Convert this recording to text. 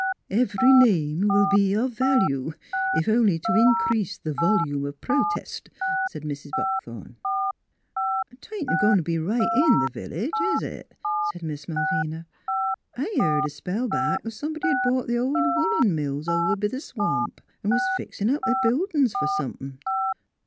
u Ev ery name will be of value, if only to in crease the volume of pro test," said Mrs. Buck thorn. " 'Tain't goin' t' be right in the village, is it? " asked Miss Malvina. " I heared a spell back somebody' d bought th' old woolen mills over b' the swamp, an' was fixin' up th' buildin's fer some thin'. .